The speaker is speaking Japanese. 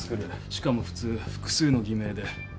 しかも普通複数の偽名で。